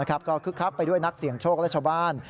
ก็คึกคักไปด้วยนักเสี่ยงโชคและชาวบ้าน